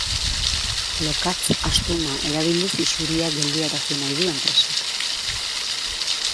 Lokatz astuna erabiliz isuria geldiarazi nahi du enpresak.